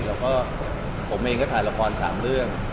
พอหลับโฟวิดผมผมเองก็ทำละครสามเรื่อง